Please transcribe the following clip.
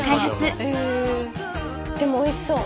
でもおいしそう。